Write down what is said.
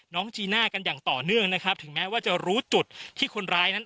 จีน่ากันอย่างต่อเนื่องนะครับถึงแม้ว่าจะรู้จุดที่คนร้ายนั้น